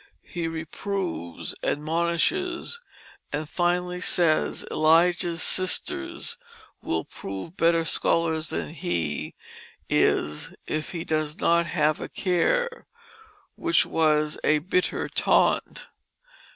He reproves, admonishes, and finally says Elijah's sisters will prove better scholars than he is if he does not have a care, which was a bitter taunt.